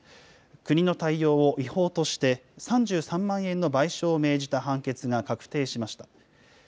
国の対応を違法として、３３万円の賠償を命じた判決が確定しました。